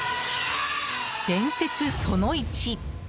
伝説その１。